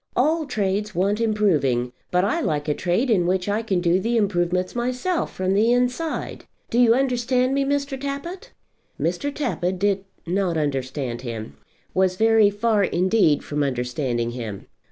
All trades want improving; but I like a trade in which I can do the improvements myself, from the inside. Do you understand me, Mr. Tappitt?" Mr. Tappitt did not understand him, was very far indeed from understanding him.